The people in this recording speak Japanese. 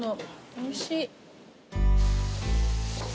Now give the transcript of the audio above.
おいしい。